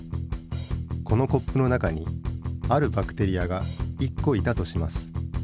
このコップの中にあるバクテリアが１個いたとします。